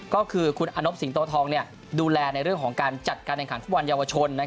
ก็คือคุณอนบสิงโตทองดูแลในเรื่องของการจัดการแข่งขันฟุตบอลเยาวชน